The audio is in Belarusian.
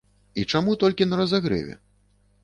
І чаму толькі на разагрэве?